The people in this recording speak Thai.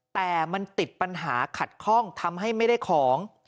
แต่มันติดปัญหาขัดข้องทำให้ไม่ได้ของ